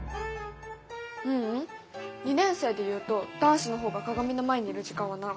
ううん２年生で言うと男子の方が鏡の前にいる時間は長い。